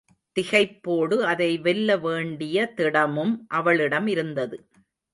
திகைப்போடு அதை வெல்ல வேண்டிய திடமும் அவளிடம் இருந்தது.